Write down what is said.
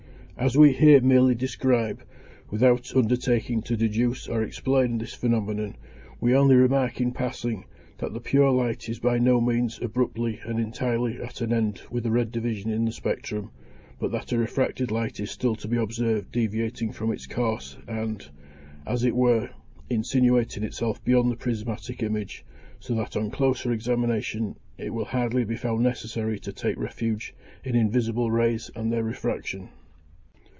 As we here merely describe, without undertaking to deduce or explain this phenomenon, we only remark in passing, that the pure light is by no means abruptly and entirely at an end with the red division in the spectrum, but that a refracted light is still to be observed deviating from its course and, as it were, insinuating itself beyond the prismatic image, so that on closer examination it will hardly be found necessary to take refuge in invisible rays and their refraction.